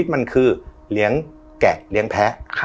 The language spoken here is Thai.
มันคือเลี้ยงแกะเลี้ยงแพ้